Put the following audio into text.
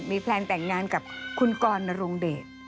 มีแพลนแต่งงานกับคุณกรรณ์ลงเดท